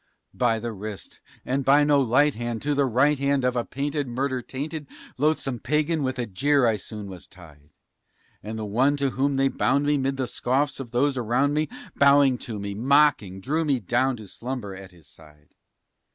By the wrist and by no light hand to the right hand of a painted, Murder tainted, loathsome Pagan, with a jeer, I soon was tied; And the one to whom they bound me, 'mid the scoffs of those around me, Bowing to me, mocking, drew me down to slumber at his side.